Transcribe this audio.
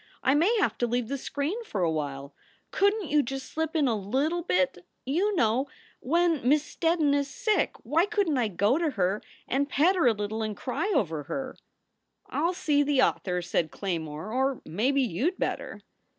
I may have to leave the screen for a while. Couldn t you just slip in a little bit? You know, when Miss Steddon is sick why couldn t I go to her and pet her a little and cry over her?" "I ll see the author," said Claymore, "or maybe you d better."